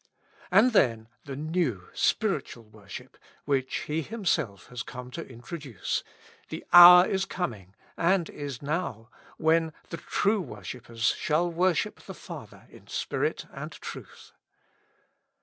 And then the new, the spiritual worship which He Himself has come to introduce: "The hour is coming, and is now, when the true worship pers shall worship the Father in spirit and truth.''